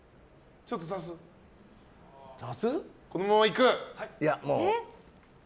このまま行く？